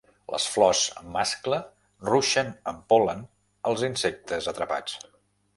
Les flors mascle ruixen amb pol·len als insectes atrapats.